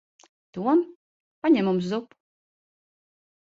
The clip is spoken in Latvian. Tom. Paņem mums zupu.